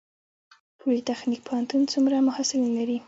پولي تخنیک پوهنتون څومره محصلین لري؟